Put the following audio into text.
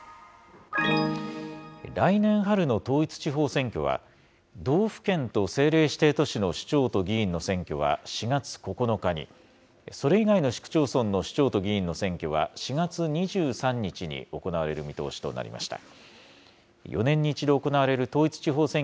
来年春の統一地方選挙は、道府県と政令指定都市の首長と議員の選挙は４月９日に、それ以外の市区町村の首長と議員の選挙は４月２３日に行われる見通しとなりました。